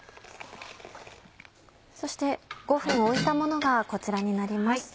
そして５分置いたものがこちらになります。